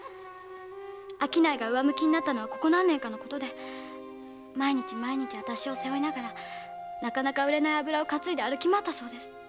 商いが上向きになったのはここ何年かのことで毎日毎日私を背負いなかなか売れない油を担いで歩き回ったそうです。